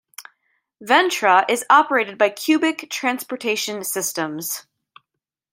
Ventra is operated by Cubic Transportation Systems.